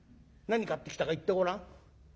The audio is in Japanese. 何買ってきたか言ってごらん。